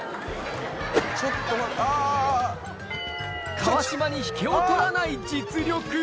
川島に引けを取らない実力。